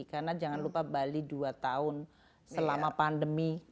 karena jangan lupa bali dua tahun selama pandemi